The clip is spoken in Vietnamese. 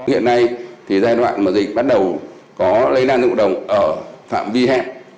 hiện nay giai đoạn dịch bắt đầu có lây lan dự động ở phạm vi hẹn